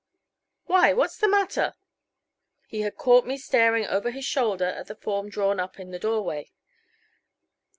Why, what's the matter?" He had caught me staring over his shoulder at the form drawn up in the doorway.